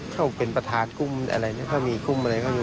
เขาเป็นประธานกุ้มอะไรนะเขามีกุ้มอะไรเขาอยู่